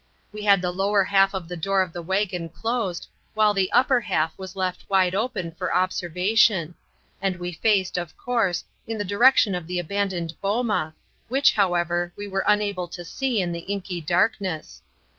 We had the lower half of the door of the wagon closed, while the upper half was left wide open for observation: and we faced, of course, in the direction of the abandoned boma, which, however, we were unable to see in the inky darkness.